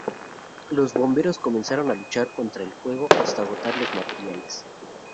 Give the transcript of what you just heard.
Los bomberos comenzaron a luchar contra el fuego hasta agotar los materiales.